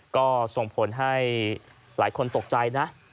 ก็ส่งผลให้หลายคนตกใจนะ